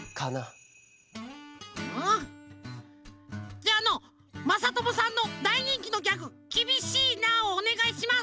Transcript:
じゃああのまさともさんのだいにんきのギャグ「きびしいな」をおねがいします。